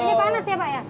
ini panas ya pak ya